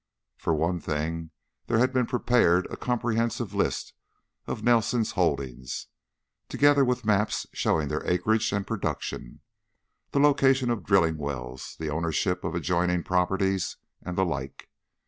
For one thing, there had been prepared a comprehensive list of the Nelson holdings, together with maps showing their acreage and production, the location of drilling wells, the ownership of adjoining properties, and the like.